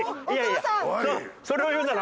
それを言うなら。